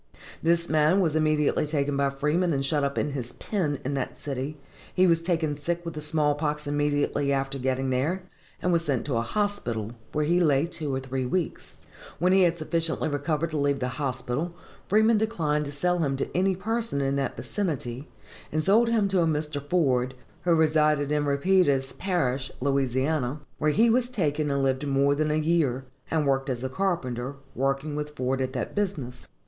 This man was immediately taken by Freeman and shut up in his pen in that city, he was taken sick with the small pox immediately after getting there, and was sent to a hospital, where he lay two or three weeks. When he had sufficiently recovered to leave the hospital, Freeman declined to sell him to any person in that vicinity, and sold him to a Mr. Ford, who resided in Rapides Parish, Louisiana, where he was taken and lived more than a year, and worked as a carpenter, working with Ford at that business.